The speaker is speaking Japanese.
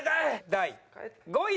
第５位は。